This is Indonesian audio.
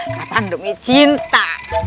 nggak pandemi cinta